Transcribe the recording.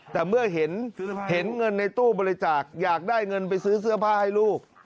แต่เมื่อเห็นเงินในตู้บริจาคอยากได้เงินไปซื้อเสื้อผ้าให้ลูก